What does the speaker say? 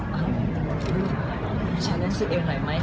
ปัญหากิจแดนสิ่งเนียมหน่อยไหม